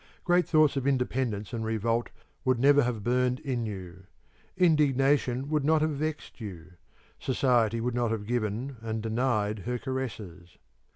Great thoughts of independence and revolt would never have burned in you; indignation would not have vexed you. Society would not have given and denied her caresses.